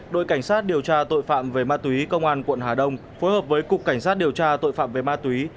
đội cảnh sát điều tra tội phạm về ma túy công an quận hà đông phối hợp với cục cảnh sát điều tra tội phạm về ma túy